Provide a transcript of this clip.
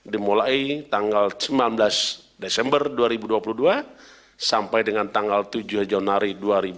dimulai tanggal sembilan belas desember dua ribu dua puluh dua sampai dengan tanggal tujuh januari dua ribu dua puluh